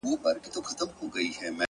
زړه تا دا كيسه شــــــــــروع كــړه؛